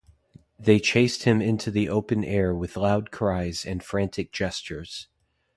They chased him into the open air with loud cries and frantic gestures.